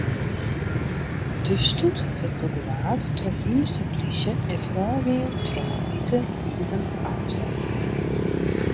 De stoet wurdt begelaat troch hynsteplysje en foarôfgien troch in wite iepen auto.